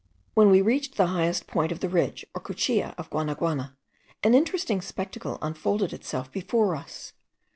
When we had reached the highest point of the ridge or cuchilla of Guanaguana, an interesting spectacle unfolded itself before us.